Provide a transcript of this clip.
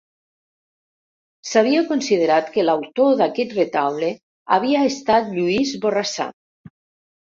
S'havia considerat que l'autor d'aquest retaule havia estat Lluís Borrassà.